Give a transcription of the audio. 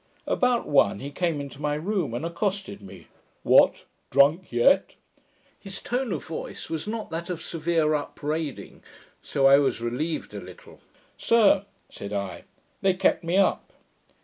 About one he came into my room, and accosted me, 'What, drunk yet?' His tone of voice was not that of severe upbraiding; so I was relieved a little. 'Sir,' said I, 'they kept me up.'